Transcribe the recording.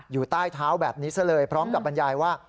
อยู่ใต้เท้าแบบนี้ซะเลยพร้อมกับบรรยายว่า